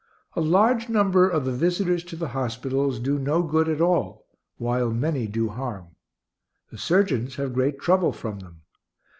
A large number of the visitors to the hospitals do no good at all, while many do harm. The surgeons have great trouble from them.